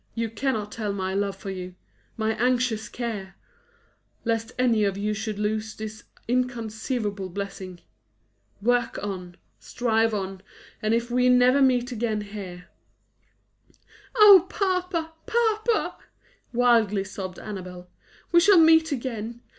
you cannot tell my love for you my anxious care! lest any of you should lose this inconceivable blessing. Work on; strive on; and if we never meet again here " "Oh, papa, papa," wildly sobbed Annabel, "we shall meet again!